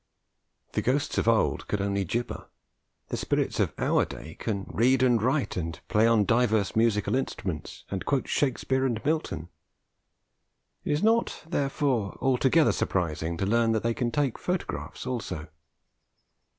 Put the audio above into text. The ghosts of old could only gibber; the spirits of our day can read and write, and play on divers musical instruments, and quote Shakespeare and Milton. It is not, therefore, altogether surprising to learn that they can take photographs also.